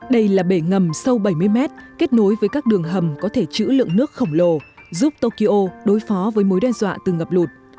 đây là bể ngầm sâu bảy mươi mét kết nối với các đường hầm có thể chữ lượng nước khổng lồ giúp tokyo đối phó với mối đe dọa từ ngập lụt